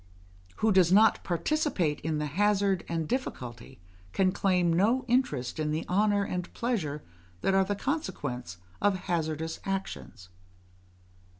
Who does not participate in the hazard and difficulty, can claim no interest in the honour and pleasure that are the consequents of hazardous actions.